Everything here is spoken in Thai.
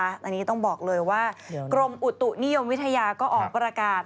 อันนี้ต้องบอกเลยว่ากรมอุตุนิยมวิทยาก็ออกประกาศ